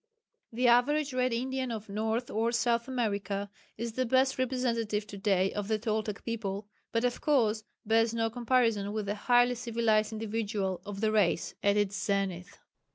The average Red Indian of North or South America is the best representative to day of the Toltec people, but of course bears no comparison with the highly civilized individual of the race at its zenith.